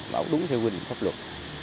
bảo đúng theo huyện pháp luật